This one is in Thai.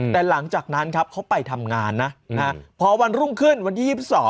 แต่หลังจากนั้นครับเขาไปทำงานนะพอวันรุ่งขึ้นวันที่๒๒